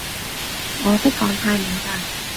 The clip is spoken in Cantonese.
我識講泰文㗎